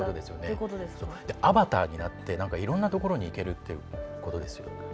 アバターになっていろんなところに行けるということです。